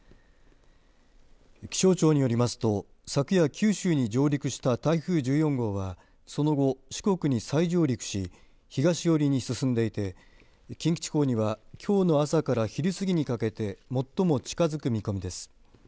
気象庁によりますと昨夜九州に上陸した台風１４号はその後四国に再上陸し東寄りに進んでいて近畿地方にはきょうの朝から昼すぎにかけて最も近づく見込みです。